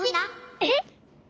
えっ！？